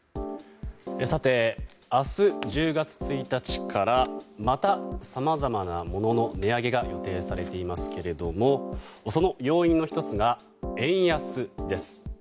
明日１０月１日からまた、さまざまなものの値上げが予定されていますけれどもその要因の１つが、円安です。